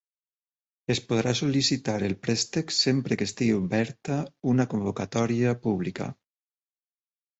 Es podrà sol·licitar el préstec sempre que estigui oberta una convocatòria pública.